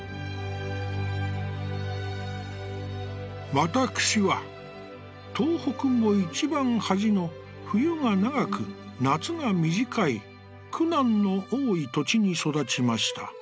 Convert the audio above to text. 「わたくしは、東北も一番はじの冬が長く夏が短い、苦難の多い土地に育ちました。